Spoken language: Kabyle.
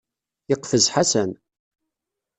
Yeqfez Ḥasan.